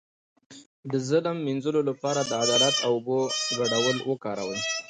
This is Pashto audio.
د ظلم د مینځلو لپاره د عدالت او اوبو ګډول وکاروئ